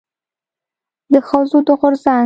د ښځو د غورځنګ